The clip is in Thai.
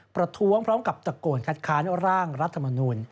ประท้วงพร้อมกับตะโกนคัดค้านร่างรัฐมนูล